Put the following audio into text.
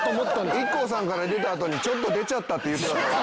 ＩＫＫＯさんから出たあとに「ちょっと出ちゃった」って。